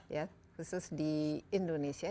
ya khusus di indonesia